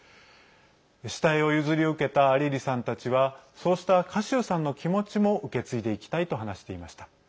下絵を譲り受けたアリリさんたちはそうした賀集さんの気持ちも受け継いでいきたいと話していました。